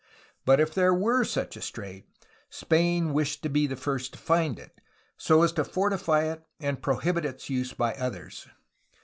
But if there were such a strait, Spain wished to be the first to find it, so as to fortify it and prohibit its use to others.